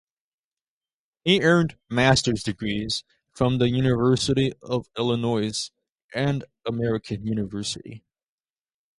He earned master's degrees from the University of Illinois and American University.